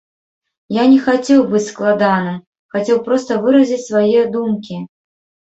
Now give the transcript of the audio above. Я не хацеў быць складаным, хацеў проста выразіць свае думкі.